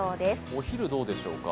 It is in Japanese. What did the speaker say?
お昼どうでしょうか？